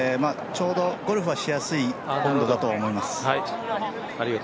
ちょうどゴルフしやすい温度だと思います。